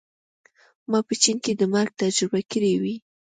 ما په چین کې د مرګ تجربه کړې وه